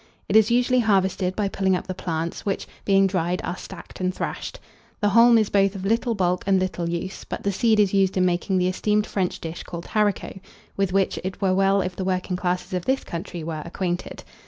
It is usually harvested by pulling up the plants, which, being dried, are stacked and thrashed. The haulm is both of little bulk and little use, but the seed is used in making the esteemed French dish called haricot, with which it were well if the working classes of this country were acquainted.